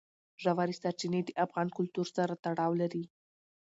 ژورې سرچینې د افغان کلتور سره تړاو لري.